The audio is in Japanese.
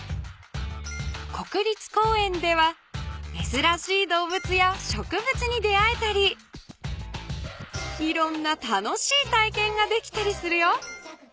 国立公園ではめずらしい動物や植物に出合えたりいろんな楽しいたいけんができたりするよ。